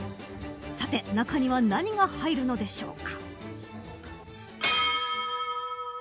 さて中には何が入るのでしょうか。